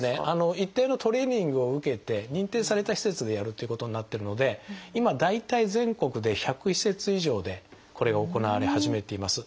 一定のトレーニングを受けて認定された施設でやるということになってるので今大体全国で１００施設以上でこれが行われ始めています。